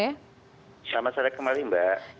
selamat sore kembali mbak